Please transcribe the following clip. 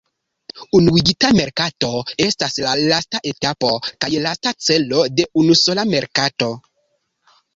Unuigita merkato estas la lasta etapo kaj lasta celo de unusola merkato.